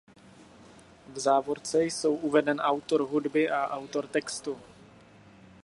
V závorce jsou uveden autor hudby a autor textu.